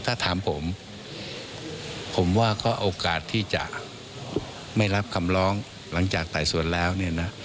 ถ้าถามผมผมว่าก็โอกาสที่จะไม่รับคำร้องหลังจากไต่สวนแล้วเนี่ยนะ